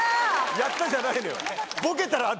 「やった」じゃないのよ。